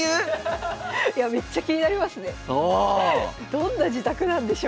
どんな自宅なんでしょうか。